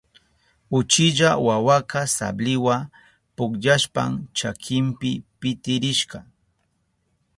Uchilla wawaka sabliwa pukllashpan chakinpi pitirishka.